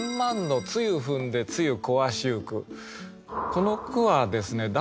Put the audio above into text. この句はですねだって